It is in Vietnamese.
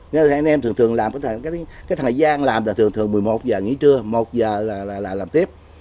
nên anh em thường thường làm cái thời gian là thường thường một mươi một h nghỉ trưa một h là làm tiếp